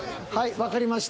わかりました？